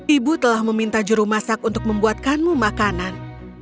ibu telah meminta juru masak untuk membuatkanmu makanan